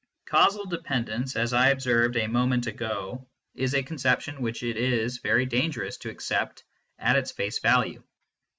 Causal dependence, as I observed a moment ago, is a 136 MYSTICISM AND LOGIC conception which it is very dangerous to accept at its face value.